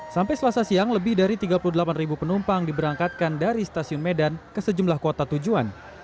sampai selasa siang lebih dari tiga puluh delapan penumpang diberangkatkan dari stasiun medan ke sejumlah kota tujuan